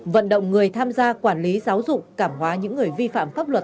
vận động người tham gia quản lý giáo dục cảm hóa những người vi phạm pháp luật